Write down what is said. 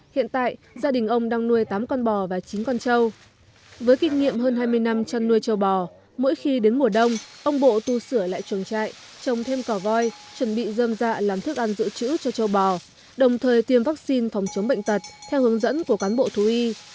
hiện tại gia đình ông đang nuôi tám con bò và chín con trâu với kinh nghiệm hơn hai mươi năm chăn nuôi châu bò mỗi khi đến mùa đông ông bộ tu sửa lại chuồng trại trồng thêm cỏ voi chuẩn bị dơm dạ làm thức ăn dự trữ cho châu bò đồng thời tiêm vaccine phòng chống bệnh tật theo hướng dẫn của cán bộ thú y